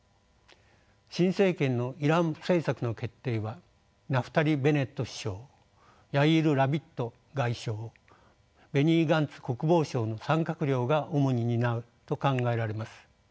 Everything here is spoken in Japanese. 新政権のイラン政策の決定はナフタリ・ベネット首相ヤイール・ラピド外相ベニー・ガンツ国防相の３閣僚が主に担うと考えられます。